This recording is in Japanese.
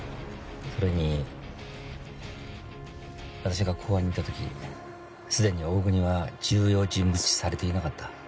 それに私が公安にいた時すでに大國は重要人物視されていなかった。